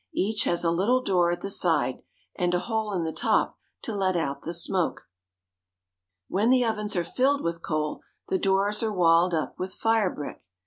Each has a lit tle door at the side, and a hole in the top to let out the smoke. When the ovens are filled with coal, the doors are walled up with fire brick.